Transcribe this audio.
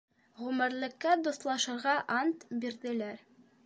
Ғүмерлеккә дуҫлашырға ант бирҙеләр.